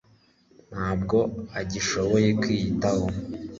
ntabwo agishoboye kwiyitaho